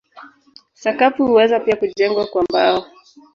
Sakafu huweza pia kujengwa kwa mbao.